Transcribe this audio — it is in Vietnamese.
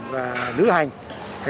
và nữ hành